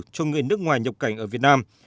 cho người nước ngoài nhập cảnh ở việt nam